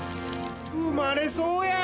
生まれそうや！